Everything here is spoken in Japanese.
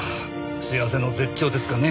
幸せの絶頂ですかね。